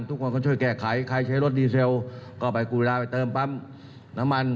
ทุกคนก็ช่วยแก้ไขใครใช้รถดีเซลก็ไปกูเวลาไปเติมปั๊มน้ำมัน